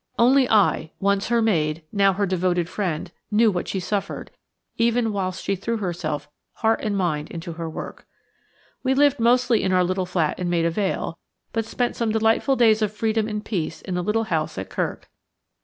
Only I–once her maid, now her devoted friend–knew what she suffered, even whilst she threw herself heart and mind into her work. We lived mostly in our little flat in Maida Vale, but spent some delightful days of freedom and peace in the little house at Kirk.